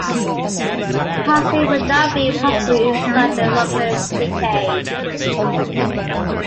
Passing would now be possible inside the longer chicane.